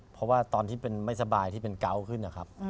เพราะว่าตอนที่เป็นไม่สบายที่เป็นเกาะขึ้นนะครับ